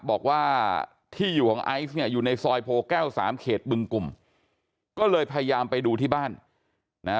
บอกว่าที่อยู่ของไอซ์เนี่ยอยู่ในซอยโพแก้วสามเขตบึงกลุ่มก็เลยพยายามไปดูที่บ้านนะ